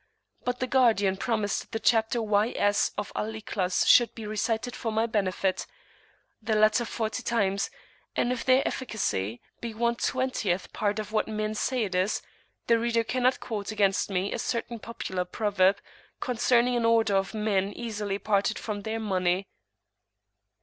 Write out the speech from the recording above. But the guardian promised that the chapters Y.S. and Al Ikhlas should be recited for my benefit, the latter forty times; and if their efficacy be one twentieth part of what men say it is, the reader cannot quote against me a certain popular proverb concerning an order of men easily parted from their money.